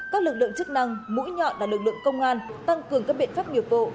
các lực lượng chức năng mũi nhọn là lực lượng công an tăng cường các biện pháp nghiệp vụ